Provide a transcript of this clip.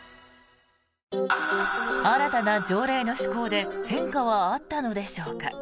新たな条例の施行で変化はあったのでしょうか。